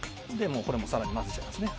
これも更に混ぜちゃいますね。